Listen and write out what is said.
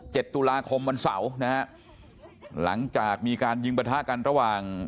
ตุลาคมวันเสาร์นะฮะหลังจากมีการยิงประทะกันระหว่าง